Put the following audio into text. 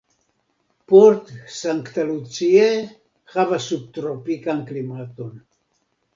Port St. Lucie havas subtropikan klimaton.